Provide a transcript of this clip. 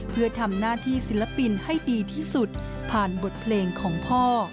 เพื่อทำหน้าที่ศิลปินให้ดีที่สุดผ่านบทเพลงของพ่อ